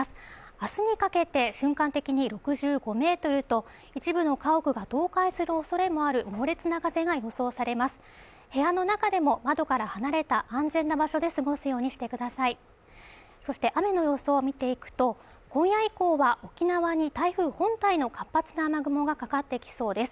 明日にかけて瞬間的に６５メートルと一部の家屋が倒壊するおそれもある猛烈な風が予想されます部屋の中でも窓から離れた安全な場所で過ごすようにしてくださいそして雨の様子を見ていくと今夜以降は沖縄に台風本体の活発な雨雲がかかってきそうです